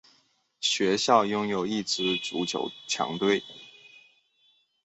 学校还拥有一支足球强队。